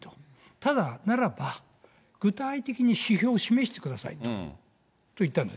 ただ、ならば、具体的に指標を示してくださいと言ったんです。